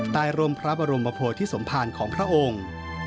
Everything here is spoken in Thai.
ใต้รมพระบรมพโภษที่สมภารของพระองค์